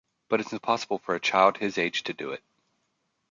But it's impossible for a child his age to do it.